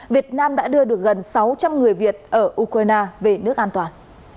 việt nam đã đưa được gần sáu trăm linh người việt ở ukraine về nước an toàn